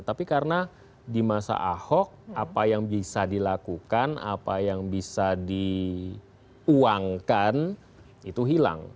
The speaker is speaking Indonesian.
tapi karena di masa ahok apa yang bisa dilakukan apa yang bisa diuangkan itu hilang